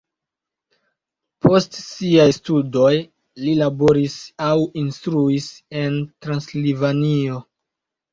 Post siaj studoj li laboris aŭ instruis en Transilvanio.